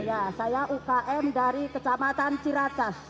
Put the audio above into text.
iya saya ukm dari kecamatan ciracas